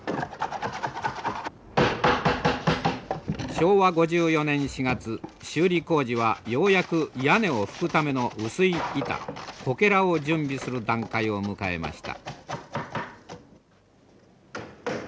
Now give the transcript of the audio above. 昭和５４年４月修理工事はようやく屋根を葺くための薄い板こけらを準備する段階を迎えました。